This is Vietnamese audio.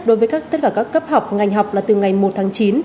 đối với tất cả các cấp học ngành học là từ ngày một tháng chín